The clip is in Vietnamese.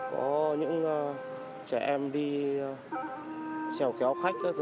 có những trẻ em đi trèo kéo khách